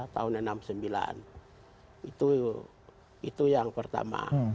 tahun enam puluh sembilan itu yang pertama